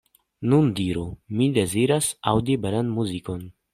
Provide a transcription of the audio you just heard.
Nun diru: mi deziras aŭdi belan muzikon.